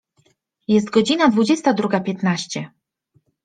Jest godzina dwudziesta druga piętnaście.